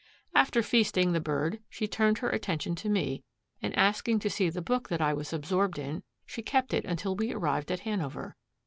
After feasting the bird she turned her attention to me, and asking to see the book that I was absorbed in, she kept it until we arrived at Hanover.